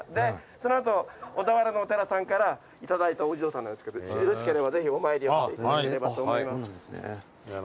その後小田原のお寺さんから頂いたお地蔵さんなんですけどよろしければぜひお参りをしていただければと思います。